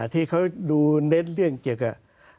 ที่เขาดูเน้นเรื่องเกี่ยวกับ